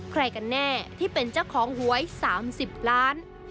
ใครกันแน่ที่เป็นเจ้าของหวย๓๐ล้าน